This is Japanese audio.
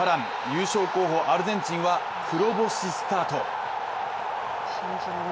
優勝候補・アルゼンチンは黒星スタート。